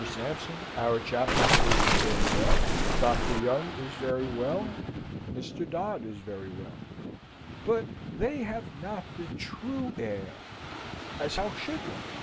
Sampson, our chaplain, is very well. Dr. Young is very well. Mr. Dodd is very well; but they have not the true air as how should they?